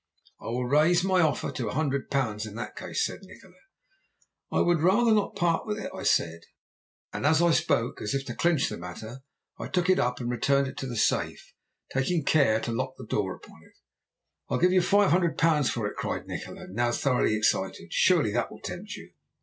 "'I will raise my offer to a hundred pounds in that case,' said Nikola. "'I would rather not part with it,' I said, and as I spoke, as if to clinch the matter, I took it up and returned it to the safe, taking care to lock the door upon it. "'I will give you five hundred pounds for it,' cried Nikola, now thoroughly excited. 'Surely that will tempt you?'